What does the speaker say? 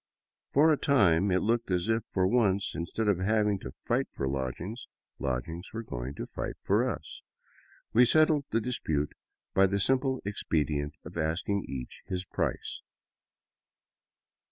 For a time it looked as if, for once, instead of having to fight for lodgings, lodgings were going to fight for us. We settled the dispute by the simple expedient of asking each his price.